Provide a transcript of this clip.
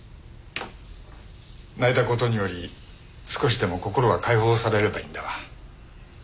泣いた事により少しでも心が解放されればいいんだが。